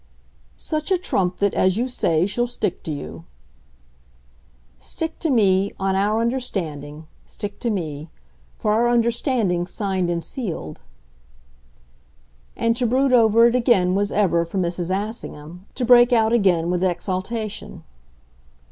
"Such a trump that, as you say, she'll stick to you." "Stick to me, on our understanding stick to me. For our understanding's signed and sealed." And to brood over it again was ever, for Mrs. Assingham, to break out again with exaltation.